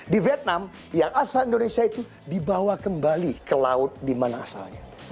di vietnam yang asal indonesia itu dibawa kembali ke laut di mana asalnya